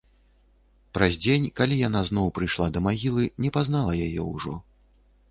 Праз дзень, калі яна зноў прыйшла да магілы, не пазнала яе ўжо.